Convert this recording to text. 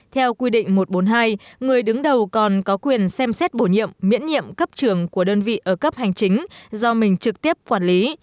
theo quy định một trăm bốn mươi hai người đứng đầu còn có quyền xem xét bổ nhiệm miễn nhiệm cấp trường của đơn vị ở cấp hành chính do mình trực tiếp quản lý